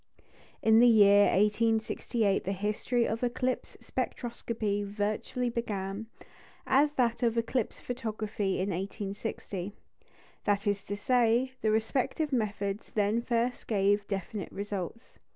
In the year 1868 the history of eclipse spectroscopy virtually began, as that of eclipse photography in 1860; that is to say, the respective methods then first gave definite results.